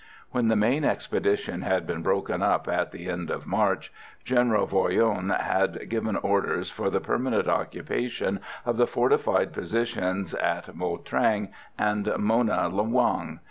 When the main expedition had been broken up at the end of March, General Voyron had given orders for the permanent occupation of the fortified positions at Mo Trang and Mona Luong.